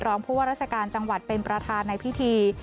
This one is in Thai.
ผู้ว่าราชการจังหวัดเป็นประธานในพิธี